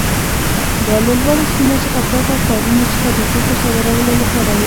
دا له لوړو سیمو کې پرتو ښارونو څخه د توکو صادرولو لپاره وه.